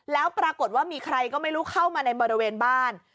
แล้วปรากฏว่ามีใครก็ไม่รู้เข้ามาในบริเวณบ้าน